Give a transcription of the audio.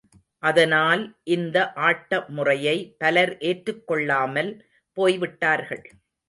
அதனால், இந்த ஆட்ட முறையை பலர் ஏற்றுக் கொள்ளாமல் போய்விட்டார்கள்.